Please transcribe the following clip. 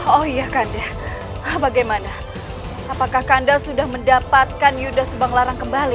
oh ya kandaprabu bagaimana apakah kandaprabu sudah mendapatkan yudha subang larang kembali